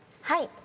はい。